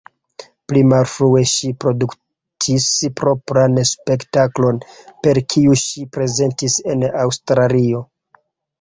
Pli malfrue ŝi produktis propran spektaklon, per kiu ŝi prezentis en Aŭstralio.